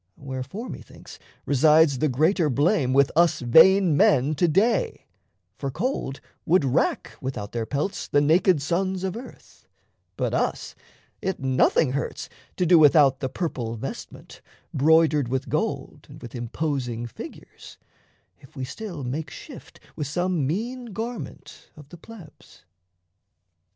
Wherefore, methinks, resides the greater blame With us vain men to day: for cold would rack, Without their pelts, the naked sons of earth; But us it nothing hurts to do without The purple vestment, broidered with gold And with imposing figures, if we still Make shift with some mean garment of the Plebs.